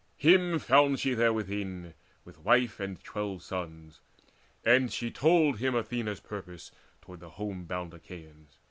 Him found she therewithin With wife and twelve sons; and she told to him Athena's purpose toward the homeward bound Achaeans.